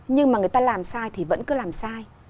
nhưng mà người ta làm sai thì vẫn cứ làm sai